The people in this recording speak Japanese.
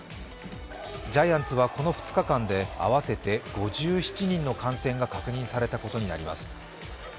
ジャイアンツはこの２日間で合わせて５７人の感染が確認されたことになります。